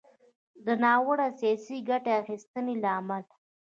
د ناوړه “سياسي ګټې اخيستنې” له امله